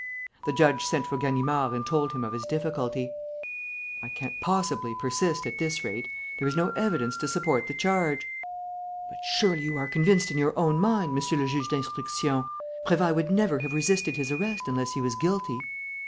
The judge sent for Ganimard and told him of his difficulty. "I can't possibly persist, at this rate. There is no evidence to support the charge." "But surely you are convinced in your own mind, monsieur le juge d'instruction! Prévailles would never have resisted his arrest unless he was guilty."